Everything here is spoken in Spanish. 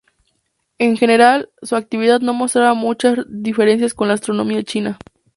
En general, su actividad no mostraba muchas diferencias con la astronomía china.